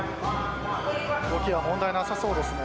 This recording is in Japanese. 動きは問題なさそうですね。